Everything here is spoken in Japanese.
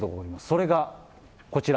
それがこちら。